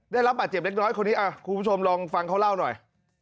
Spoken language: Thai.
ได้รับบาดเจ็บเล็กน้อยคนนี้คุณผู้ชมลองฟังเขาเล่าหน่อย